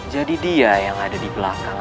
dia yang ada di belakang